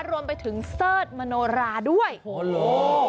รวมไปถึงเสิร์ชมโนราด้วยโอ้โห